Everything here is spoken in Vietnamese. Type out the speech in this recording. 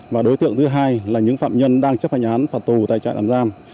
và đối tượng thứ hai là những phạm nhân đang chấp hành án phạt tù tại trại tạm giam